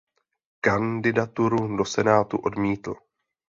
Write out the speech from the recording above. Kandidaturu do senátu odmítl.